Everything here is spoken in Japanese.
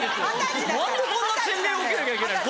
何でこんな洗礼を受けなきゃいけないの？